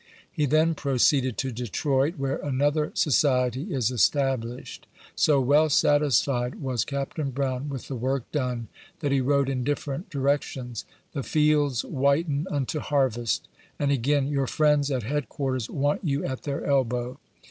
He then proceeded to Detroit, where another Society is established. So well satisfied was Captain Brown with the work done, that he wrote in different directions: "The fields whiten unto harvest;" and again, " Your friends at head quarters want you at their elbow."